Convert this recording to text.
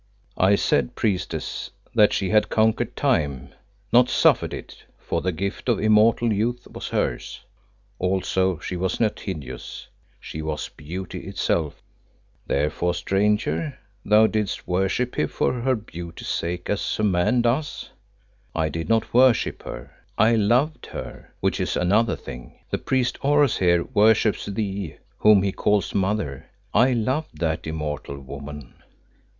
"I said, Priestess, that she had conquered time, not suffered it, for the gift of immortal youth was hers. Also she was not hideous; she was beauty itself." "Therefore stranger, thou didst worship her for her beauty's sake, as a man does." "I did not worship her; I loved her, which is another thing. The priest Oros here worships thee, whom he calls Mother. I loved that immortal woman."